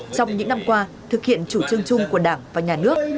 trong những năm qua thực hiện chủ trương chung của đảng và nhà nước